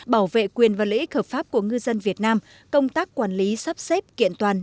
bảo vệ quyền và lợi ích hợp pháp của ngư dân việt nam công tác quản lý sắp xếp kiện toàn